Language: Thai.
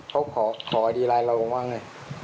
เขาขอดีไลน์เราว่าไง